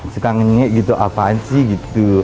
suka ngejek gitu apaan sih gitu